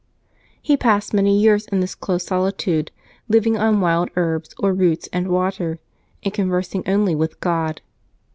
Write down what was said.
He passed many years in this close solitude, living on wild herbs or roots and water, and conversing only with God.